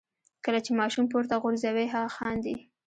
کله چې ماشوم پورته غورځوئ هغه خاندي.